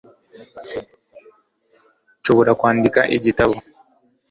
Nshobora kwandika igitabo